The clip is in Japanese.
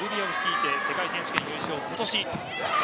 去年セルビアを率いて世界選手権優勝今年。